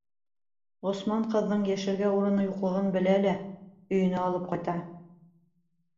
Ғосман ҡыҙҙың йәшәргә урыны юҡлығын белә лә өйөнә алып ҡайта.